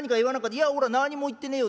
「いやおらなにも言ってねえよ。